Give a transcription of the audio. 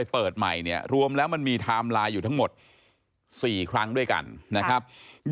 เปิดใหม่เนี่ยรวมแล้วมันมีไทม์ไลน์อยู่ทั้งหมด๔ครั้งด้วยกันนะครับ